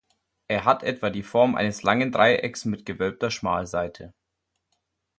Er hat etwa die Form eines langen Dreiecks mit gewölbter Schmalseite.